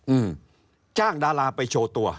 อืมจ้างดาราไปโชว์ตัว